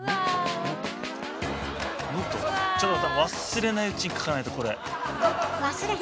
忘れないうちに書かないとこれ。